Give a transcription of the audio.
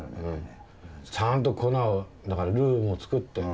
ちゃんと粉をだからルーもつくって。